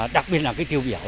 đặc biệt là tiêu biểu